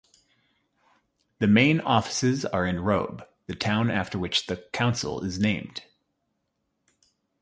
The main offices are in Robe, the town after which the council is named.